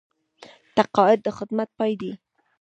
تقاعد د خدمت پای دی